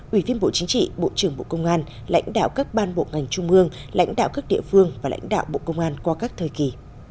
ủy viên bộ chính trị bộ trưởng bộ công an lãnh đạo các ban bộ ngành trung ương lãnh đạo các địa phương và lãnh đạo bộ công an qua các thời kỳ